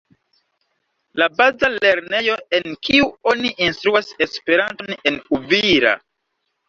La baza lernejo en kiu oni instruas Esperanton en Uvira.